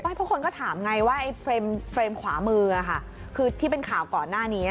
เพราะคนก็ถามไงว่าไอ้เฟรมขวามือคือที่เป็นข่าวก่อนหน้านี้